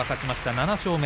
７勝目。